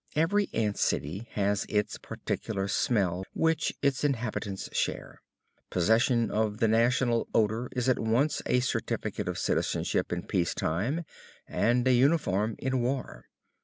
Every ant city has its particular smell which its inhabitants share. Possession of the national odor is at once a certificate of citizenship in peacetime and a uniform in war.